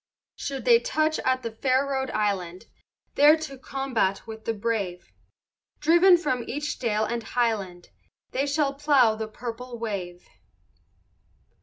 Should they touch at fair Rhode Island, There to combat with the brave, Driven from each dale and highland, They shall plough the purple wave.